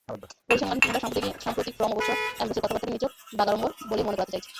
পরিসংখ্যান কিংবা সাম্প্রতিক ফর্ম অবশ্য অ্যামব্রোসের কথাবার্তাকে নিছক বাগাড়ম্বর বলেই মনে করাতে চাইছে।